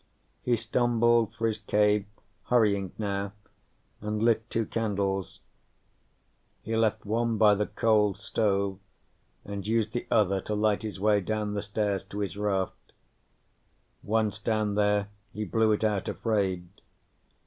He stumbled for his cave, hurrying now, and lit two candles. He left one by the cold stove and used the other to light his way down the stairs to his raft. Once down there, he blew it out, afraid.